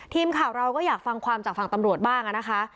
ทีมข่าวเราก็อยากฟังความจากฝั่งตำรวจบ้างนะคะ